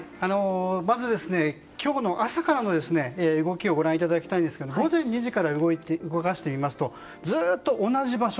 まず今日の朝からの動きをご覧いただきたいですが午前２時から動かしてみますとずっと同じ場所。